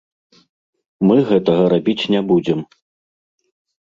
Мы гэтага рабіць не будзем.